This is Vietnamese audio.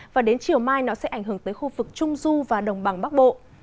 và đến chiều mai nó sẽ ảnh hưởng tới khu vực trung du và đồng bằng bắc bộ